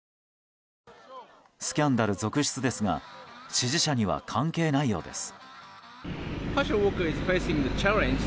スキャンダル続出ですが支持者には関係ないようです。